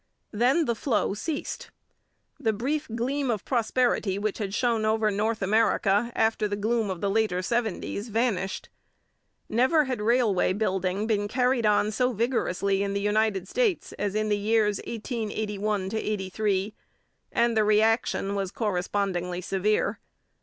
Then the flow ceased. The brief gleam of prosperity which had shone over North America after the gloom of the later seventies vanished. Never had railway building been carried on so vigorously in the United States as in the years 1881 83, and the reaction was correspondingly severe.